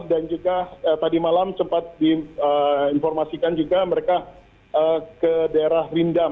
dan juga tadi malam sempat diinformasikan juga mereka ke daerah windam